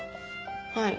はい。